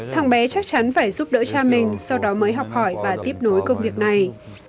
thằng bé chắc chắn phải giúp đỡ cha mình sau đó mới học hỏi và tiếp nối công việc này